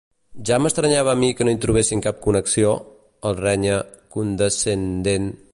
Ja m'estranyava a mi que no hi trobessis cap connexió —el renya, condescendent.